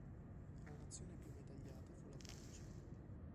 La nazione più medagliata fu la Francia.